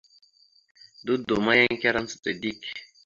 Dodo ma, yan ekará ndzəɗa dik.